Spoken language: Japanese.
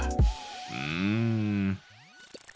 うん。